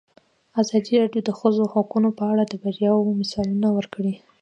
ازادي راډیو د د ښځو حقونه په اړه د بریاوو مثالونه ورکړي.